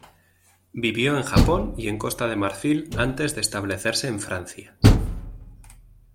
Vivió en Japón y en Costa de Marfil antes de establecerse en Francia.